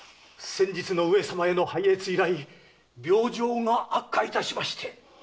先日の上様への拝謁以来病状が悪化いたしまして。